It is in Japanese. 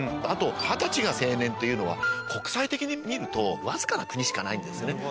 あと２０歳が成年というのは国際的に見るとわずかな国しかないんですね。